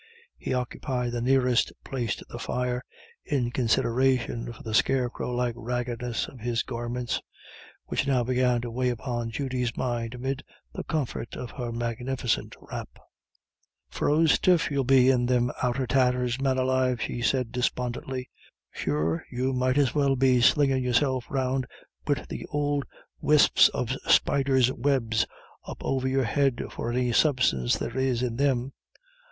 He occupied the nearest place to the fire, in consideration for the scarecrow like raggedness of his garments, which now began to weigh upon Judy's mind amid the comfort of her magnificent wrap. "Froze stiff you'll be in thim ould tatters, man alive," she said despondently. "Sure, you might as well be slingin' yourself round wid the ould wisps of spiders' webs up over your head for any substance there is in thim.